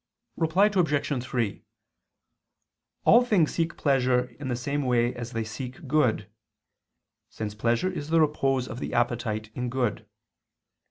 Reply Obj. 3: All things seek pleasure in the same way as they seek good: since pleasure is the repose of the appetite in good.